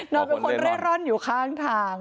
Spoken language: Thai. เป็นคนเร่ร่อนอยู่ข้างทาง